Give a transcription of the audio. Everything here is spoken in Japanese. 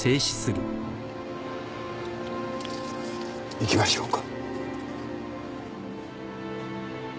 行きましょうか？